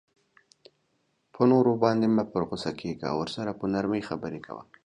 په نورو باندی مه په غصه کیږه او ورسره په نرمۍ خبری کوه